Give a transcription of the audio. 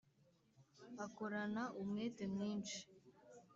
akorana umwete mwinshi